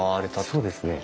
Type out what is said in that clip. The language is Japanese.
そうですね。